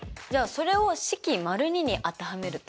それを式②に当てはめると？